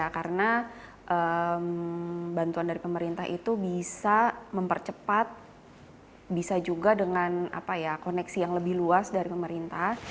karena bantuan dari pemerintah itu bisa mempercepat bisa juga dengan koneksi yang lebih luas dari pemerintah